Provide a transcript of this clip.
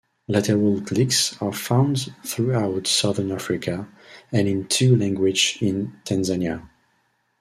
Lateral clicks are found throughout southern Africa and in two languages in Tanzania.